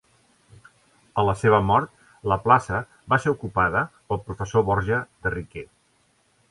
A la seva mort, la plaça va ser ocupada pel professor Borja de Riquer.